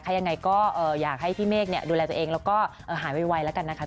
ยังไงก็อยากให้พี่เมฆดูแลตัวเองแล้วก็หายไวแล้วกันนะคะ